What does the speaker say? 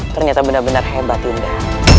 ternyata benar benar hebat indah